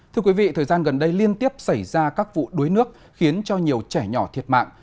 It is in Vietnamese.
thưa quý vị thời gian gần đây liên tiếp xảy ra các vụ đuối nước khiến cho nhiều trẻ nhỏ thiệt mạng